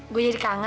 gue jadi kangen